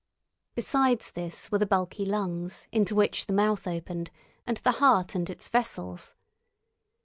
Besides this were the bulky lungs, into which the mouth opened, and the heart and its vessels.